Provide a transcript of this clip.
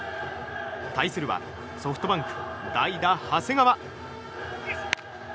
対するはソフトバンク代打、長谷川。